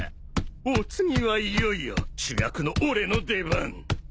お次はいよいよ主役の俺の出番！